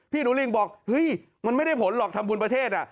หนูลิงบอกเฮ้ยมันไม่ได้ผลหรอกทำบุญประเทศ